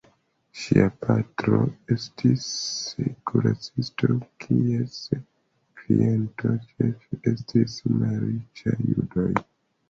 Ŝia patro estis kuracisto kies klientoj ĉefe estis malriĉaj judoj.